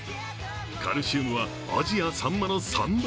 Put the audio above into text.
カルシウムはアジやサンマの３倍。